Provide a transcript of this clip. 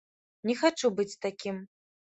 Не хачу быць такім.